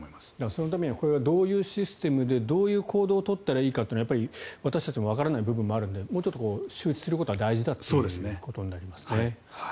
そのためにはどういうシステムでどういう行動を取ったらいいかって私たちもわからない部分もあるのでもう少し周知するのは大事だということになりますね。